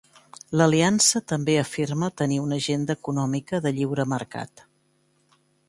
L'aliança també afirma tenir una agenda econòmica de lliure mercat.